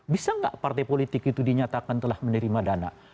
bisa nggak partai politik itu dinyatakan telah menerima dana